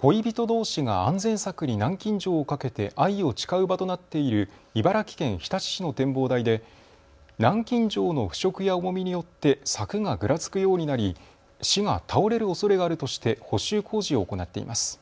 恋人どうしが安全柵に南京錠をかけて愛を誓う場となっている茨城県日立市の展望台で南京錠の腐食や重みによって柵がぐらつくようになり市が倒れるおそれがあるとして補修工事を行っています。